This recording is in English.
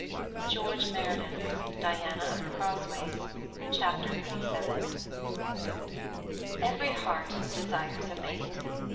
— George Meredith's " Diana of the Crossways, ' chap. 37. EVERY heart desires a mate.